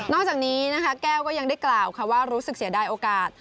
นอกจากนี้แก้วก็ยังได้กล่าวว่ารู้สึกเสียได้โอกาส